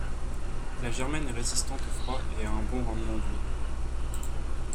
La germaine est résistante au froid et a un bon rendement d'huile.